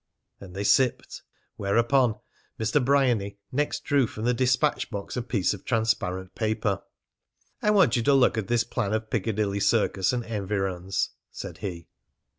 And they sipped. Whereupon Mr. Bryany next drew from the despatch box a piece of transparent paper. "I want you to look at this plan of Piccadilly Circus and environs," said he.